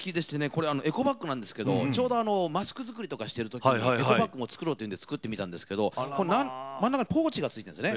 これエコバッグなんですけどちょうどマスク作りとかしてる時にエコバッグも作ろうっていうんで作ってみたんですけど真ん中にポーチがついてるんですね。